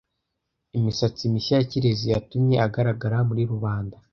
Imisatsi mishya ya Kirezi yatumye agaragara muri rubanda.